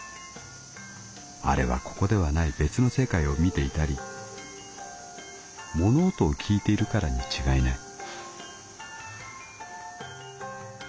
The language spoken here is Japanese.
あれはここではない別の世界を見ていたり物音を聞いているからに違いない」。